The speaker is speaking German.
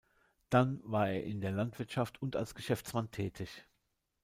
Dann war er in der Landwirtschaft und als Geschäftsmann tätig.